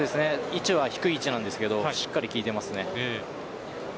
位置は低い位置なんですがしっかり効いていますね。